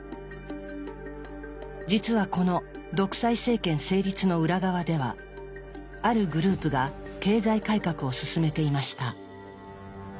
実はこの独裁政権成立の裏側ではあるグループが経済改革を進めていました。